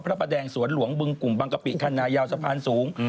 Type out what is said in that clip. พระประแดงสวนหลวงบึงกลุ่มบังกะปิคันนายาวสะพานสูง